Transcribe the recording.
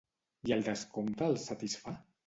I el descompte els satisfà?